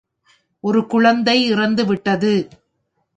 ஒரு குழந்தை இறந்துவிட்டது.